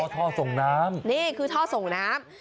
ท่อส่งน้ำนี่คือท่อส่งน้ำ